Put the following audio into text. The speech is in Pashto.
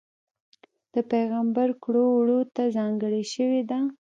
د پېغمبر کړو وړوته ځانګړې شوې ده.